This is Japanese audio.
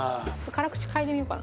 辛口嗅いでみようかな。